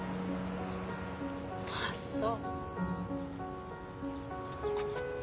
あっそう。